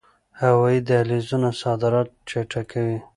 هوایی دهلیزونه صادرات چټکوي